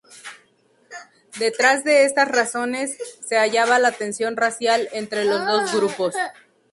Detrás de estas razones, se hallaba la tensión racial entre los dos grupos.